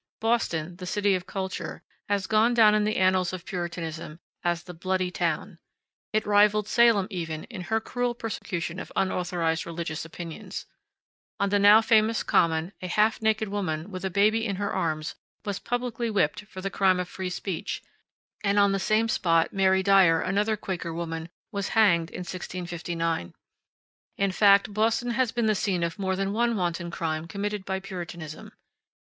Boston, the city of culture, has gone down in the annals of Puritanism as the "Bloody Town." It rivaled Salem, even, in her cruel persecution of unauthorized religious opinions. On the now famous Common a half naked woman, with a baby in her arms, was publicly whipped for the crime of free speech; and on the same spot Mary Dyer, another Quaker woman, was hanged in 1659. In fact, Boston has been the scene of more than one wanton crime committed by Puritanism.